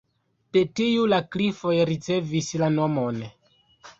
De tiu la klifoj ricevis la nomon.